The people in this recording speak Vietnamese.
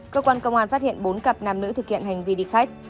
cơ quan công an phát hiện bốn cặp nam nữ thực hiện hành vi đi khách